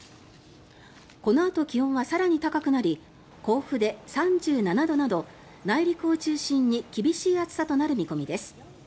このあと、気温は更に高くなり甲府で３７度など内陸を中心に厳しい暑さとなる見込みです。